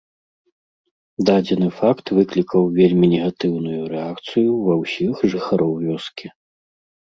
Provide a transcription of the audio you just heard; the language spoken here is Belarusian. Дадзены факт выклікаў вельмі негатыўную рэакцыю ва ўсіх жыхароў вёскі.